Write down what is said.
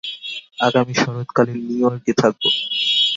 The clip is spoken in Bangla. আগামী শরৎকালে নিউ ইয়র্কে থাকব।